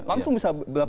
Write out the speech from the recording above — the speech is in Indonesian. langsung bisa berlaku